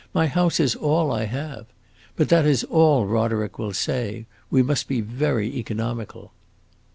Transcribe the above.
My house is all I have. But that is all Roderick will say. We must be very economical."